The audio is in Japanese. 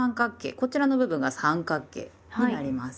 こちらの部分が三角形になります。